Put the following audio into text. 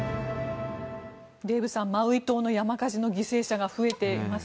デーブさんマウイ島の山火事の犠牲者が増えています。